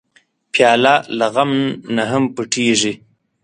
پیاله له غم نه هم پټېږي.